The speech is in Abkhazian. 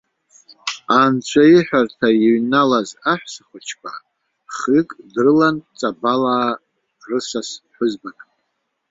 Анцәаиҳәарҭа иҩналаз аҳәсахәыҷқәа хҩык дрылан ҵабалаа рысас ԥҳәызбак.